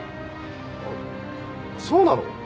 あっそうなの？